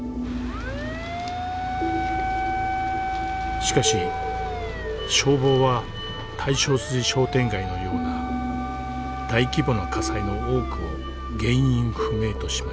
しかし消防は大正筋商店街のような大規模な火災の多くを原因不明としました。